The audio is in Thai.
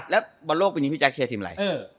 แล้วบอลโลกปีนี้พี่แจ๊คเชียร์ทีมอะไร